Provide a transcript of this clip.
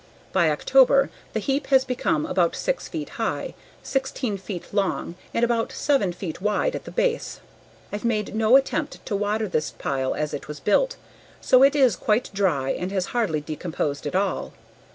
By October the heap has become about six feet high, sixteen feet long and about seven feet wide at the base. I've made no attempt to water this pile as it was built, so it is quite dry and has hardly decomposed at all.